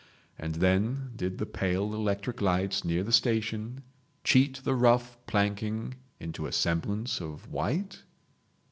And then did the pale electric lights near the station cheat the rough planking into a semblance of white?